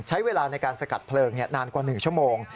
ใช้เวลาในการสกัดเพลิงนานกว่า๑ชั่วโมง